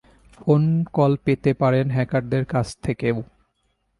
Phone call পেতে পারেন হ্যাকারদের কাছ থেকেও।